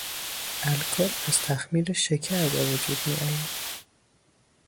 الکل از تخمیر شکر به وجود میآید.